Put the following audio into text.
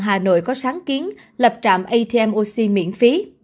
hà nội có sáng kiến lập trạm atm oc miễn phí